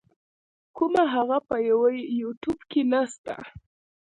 کوومه هغه په یو يټیوب کی نسته.